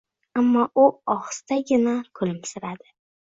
Ammo u ohistagina kulimsiradi: